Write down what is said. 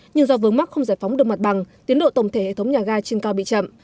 nhưng do vướng mắc không giải phóng được mặt bằng tiến độ tổng thể hệ thống nhà ga trên cao bị chậm